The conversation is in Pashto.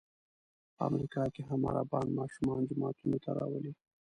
په امریکا کې هم عربان ماشومان جوماتونو ته راولي.